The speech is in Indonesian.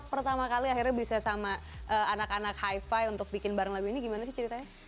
pertama kali akhirnya bisa sama anak anak hi fi untuk bikin bareng lagu ini gimana sih ceritanya